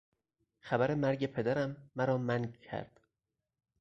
خبر مرگ پدرم مرا منگ کرد.